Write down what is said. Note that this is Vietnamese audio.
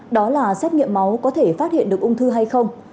đó là xét nghiệm máu có thể phát hiện được ung thư hay không